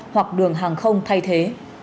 hoặc đường hàng không thay thế